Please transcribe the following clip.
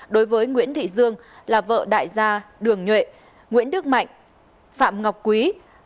đối với nguyễn thị dương là vợ đại gia đường nhuệ nguyễn đức mạnh phạm ngọc quý